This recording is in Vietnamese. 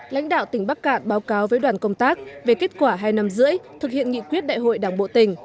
lãnh đạo tỉnh bắc cạn báo cáo với đoàn công tác về kết quả hai năm rưỡi thực hiện nghị quyết đại hội đảng bộ tỉnh